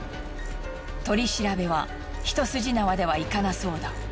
取り調べは一筋縄ではいかなそうだ。